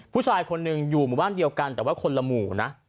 ผู้ชายคนหนึ่งอยู่หมู่บ้านเดียวกันแต่ว่าคนละหมู่นะ